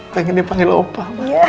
pengen dipanggil opa